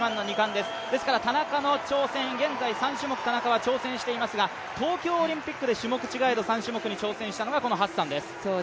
ですから田中の挑戦、現在３種目田中が挑戦していますが東京オリンピックで種目違えど、３種目に挑戦したのがこのハッサンです。